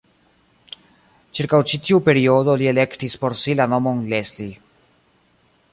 Ĉirkaŭ ĉi tiu periodo li elektis por si la nomon "Leslie".